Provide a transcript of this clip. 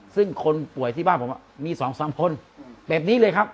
ซึ่งคนป่วยที่บ้านผมมี๒๓คนแบบนี้เลยครับ